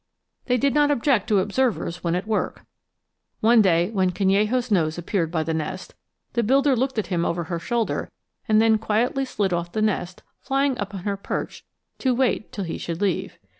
They did not object to observers when at work. One day, when Canello's nose appeared by the nest, the builder looked at him over her shoulder and then quietly slid off the nest, flying up on her perch to wait till he should leave.